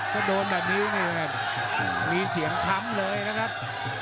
ก็โดนแบบนี้เลยนะครับมีเสียงค้ำเลยนะครับ